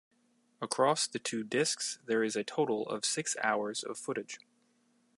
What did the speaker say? Across the two discs, there is a total of six hours of footage.